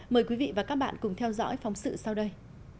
mời quý vị và các bạn cùng theo dõi phóng sự sau đây